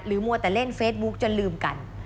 มัวแต่เล่นเฟซบุ๊กจนลืมกัน